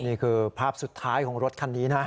นี่คือภาพสุดท้ายของรถคันนี้นะ